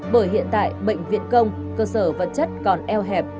bởi hiện tại bệnh viện công cơ sở vật chất còn eo hẹp